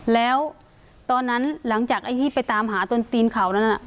แล้วตอนนั้นหลังจากไอ้ที่ไปตามหาตนตีนเขานั้น